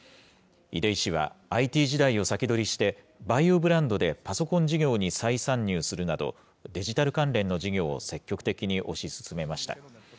出井氏は、ＩＴ時代を先取りして、ＶＡＩＯブランドでパソコン事業に再参入するなど、デジタル関連の事業を積極的に推し進めました。